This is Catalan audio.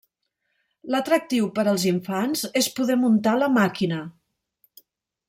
L'atractiu per als infants és poder muntar la màquina.